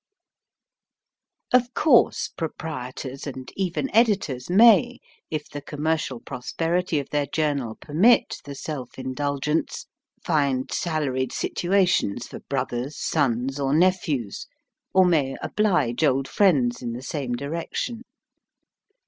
Of course, proprietors, and even editors, may, if the commercial prosperity of their journal permit the self indulgence, find salaried situations for brothers, sons, or nephews or may oblige old friends in the same direction.